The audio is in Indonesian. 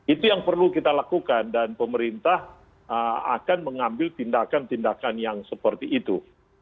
itu yang perlu kita lakukan dan pemerintah akan mengambil tindakan tindakan yang seperti itu